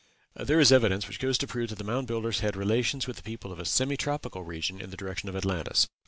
There is evidence which goes to prove that the Mound Builders had relations with the people of a semi tropical region in the direction of Atlantis.